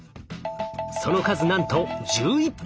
その数なんと１１匹！